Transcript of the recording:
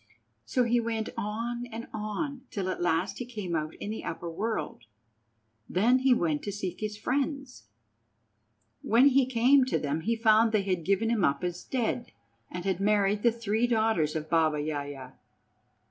So he went on and on till at last he came out in the upper world. Then he went to seek his friends. When he came to them he found that they had given him up as dead, and had married the three daughters of Baba Yaja.